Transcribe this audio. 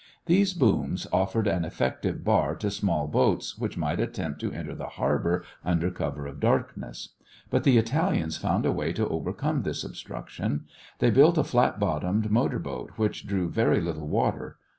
These booms offered an effective bar to small boats which might attempt to enter the harbor under cover of darkness. But the Italians found a way to overcome this obstruction. They built a flat bottomed motor boat which drew very little water.